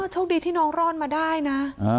โชคดีที่น้องรอดมาได้นะ